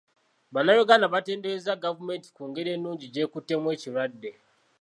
Bannayuganda batenderezza gavumenti ku ngeri ennungi gy'ekuttemu ekirwadde.